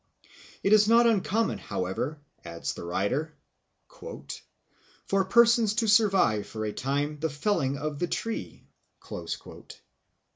"It is not uncommon, however," adds the writer, "for persons to survive for a time the felling of the tree."